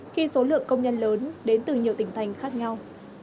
khi số lượng công nhân lớn đến từ nhiều tỉnh thành khác nhau